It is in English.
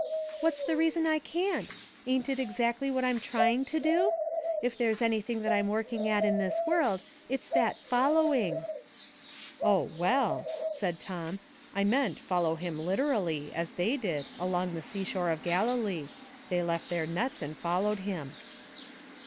"What's the reason I can't? Ain't it exactly A Sermon. 69 what rm tiying to do? If there's anything that I'm working at in this world, it's that 'follow ing."' *' Oh, well," said Tom, • I meant follow him literally, as they did, along the sea shore of Gali lee ; they left their nets and followed him."